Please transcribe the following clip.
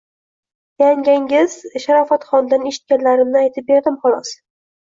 Yangangiz, Sharofatxondan eshitganlarimni aytib berdim, xolos